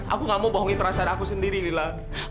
aku gak mau bohongin perasaan aku sendiri mila